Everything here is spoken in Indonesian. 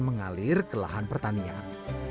mengalir ke lahan pertanian